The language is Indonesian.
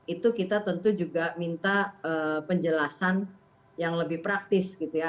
itu kita tentu juga minta penjelasan yang lebih praktis gitu ya